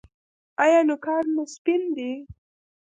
ایا نوکان مو سپین دي؟